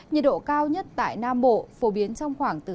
nhiệt độ cao nhất tại nam bộ phổ biến trong khoảng hai mươi tám ba mươi hai độ